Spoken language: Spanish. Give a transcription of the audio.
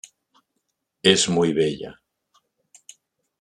Es muy bella.